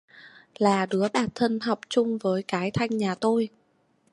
là đứa bạn thân học chung với cái thanh nhà tôi